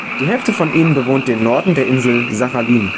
Die Hälfte von ihnen bewohnt den Norden der Insel Sachalin.